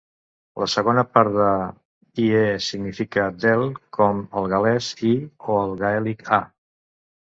La segona part d'"-ie-" significa "del", com el gal·lès "y" o el gaèlic "a".